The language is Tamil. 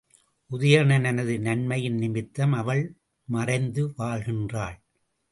உதயணனது நன்மையின் நிமித்தம் அவள் மறைந்து வாழ்கின்றாள்.